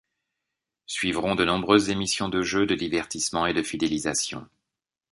Suivront de nombreuses émissions de jeux, de divertissement et de fidélisation.